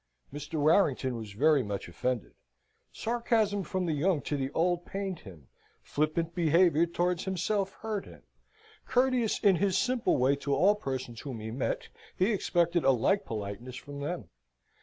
Mr. Warrington was very much offended. Sarcasm from the young to the old pained him: flippant behaviour towards himself hurt him. Courteous in his simple way to all persons whom he met, he expected a like politeness from them.